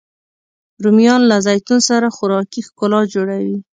رومیان له زیتون سره خوراکي ښکلا جوړوي